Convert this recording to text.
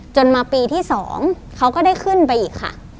จนมาปีที่๒เขาก็ได้ขึ้นไปอีกค่ะ